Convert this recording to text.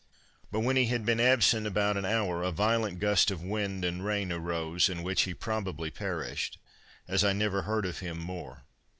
But, when he had been absent about an hour, a violent gust of wind and rain arose, in which he probably perished, as I never heard of him more.